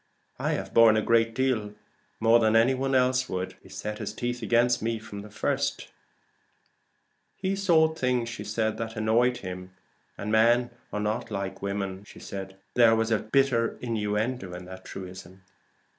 I have borne a great deal more than any one else would. He set his teeth against me from the first." "He saw things that annoyed him; and men are not like women," said Mrs. Transome. There was bitter innuendo in that truism.